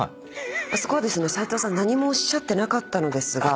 そこは斎藤さん何もおっしゃってなかったのですが。